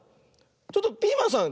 ちょっとピーマンさん